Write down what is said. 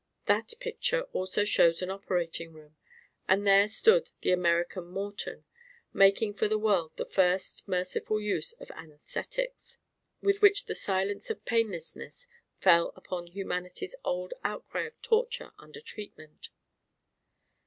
That picture also shows an operating room; and there stood the American Morton, making for the world the first merciful use of anæsthetics: with which the silence of painlessness fell upon humanity's old outcry of torture under treatment.